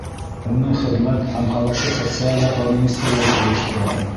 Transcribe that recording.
Уны Хеҙмәт һәм халыҡты социаль яҡлау министрлығы ойоштора.